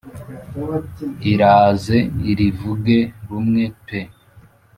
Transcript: iraze irivuge rumwe pe